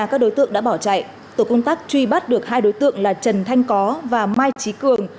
các đối tượng đã bỏ chạy tổ công tác truy bắt được hai đối tượng là trần thanh có và mai trí cường